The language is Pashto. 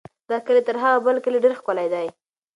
دغه کلی تر هغه بل کلي ډېر ښکلی دی.